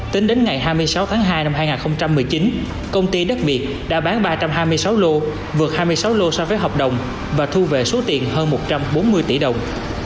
tính đến ngày hai mươi sáu tháng hai năm hai nghìn một mươi chín công ty đất việt đã bán ba trăm hai mươi sáu lô vượt hai mươi sáu lô so với hợp đồng và thu về số tiền hơn một trăm bốn mươi tỷ đồng